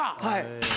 はい。